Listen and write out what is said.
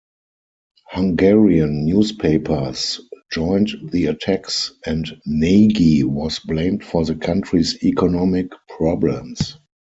Hungarian newspapers joined the attacks and Nagy was blamed for the country's economic problems.